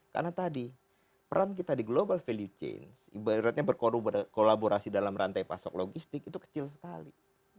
karena tadi peran kita di global value chain ibaratnya berkolaborasi dalam rantai pasok logistik itu kecil sekali